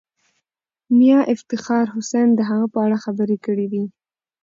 میا افتخار حسین د هغه په اړه خبرې کړې دي.